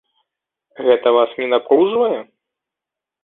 Гэта вас не напружвае?